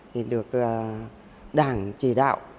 thì được đảng chỉ đạo